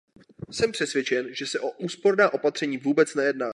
Jsem přesvědčen, že se o úsporná opatření vůbec nejedná.